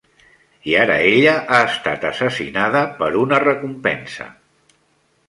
I ara ella ha estat assassinada per una recompensa!